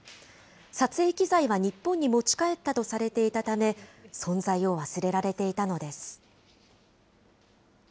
撮影機材は日本に持ち帰ったとされていたため、存在を忘れられていたのです。